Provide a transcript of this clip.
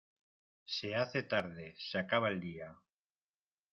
Se hace tarde, se acaba el día.